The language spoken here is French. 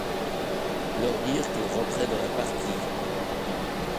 Leur dire qu'il rentrait dans la partie.